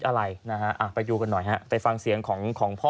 อะไรนะฮะไปดูกันหน่อยฮะไปฟังเสียงของพ่อ